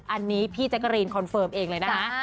อันนี้พี่แจ๊กกะรีนคอนเฟิร์มเองเลยนะคะ